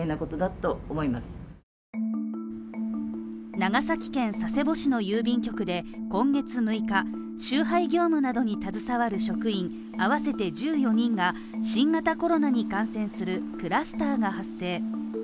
長崎県佐世保市の郵便局で今月６日集配業務などに携わる職員合わせて１４人が新型コロナに感染するクラスターが発生。